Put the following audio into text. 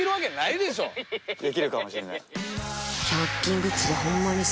できるかもしれない。